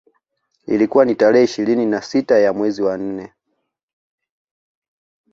Ilikuwa ni tarehe ishirini na sita ya mwezi wa nne